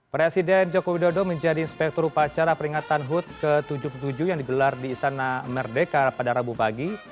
presiden joko widodo menjadi inspektur upacara peringatan hud ke tujuh puluh tujuh yang digelar di istana merdeka pada rabu pagi